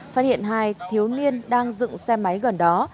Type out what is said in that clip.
phát hiện hai thiếu niên đang dựng xe máy gần đó